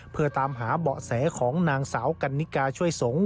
เพื่อตามหาเบาะแสของนางสาวกันนิกาช่วยสงฆ